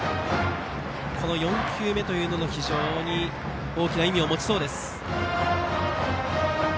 この４球目が非常に大きな意味を持ちそうです。